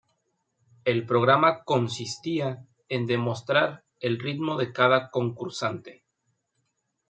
El programa consistía en demostrar el ritmo de cada concursante.